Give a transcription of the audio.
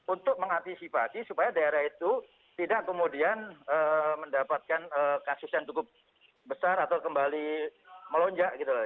untuk mengantisipasi supaya daerah itu tidak kemudian mendapatkan kasus yang cukup besar atau kembali melonjak gitu loh